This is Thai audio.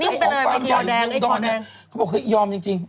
ทำสงสังแยงตรงร้อยล้านบาทจ้องของฝ่ายยึ่งด้อนเนี่ยคือยอมจริง